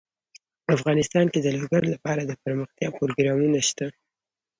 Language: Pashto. افغانستان کې د لوگر لپاره دپرمختیا پروګرامونه شته.